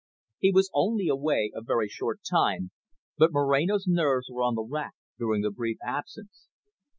He was only away a very short time, but Moreno's nerves were on the rack during the brief absence.